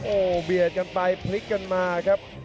โอ้โหเบียดกันไปพลิกกันมาครับ